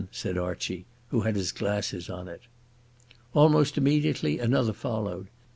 said Archie, who had his glasses on it. Almost immediately another followed.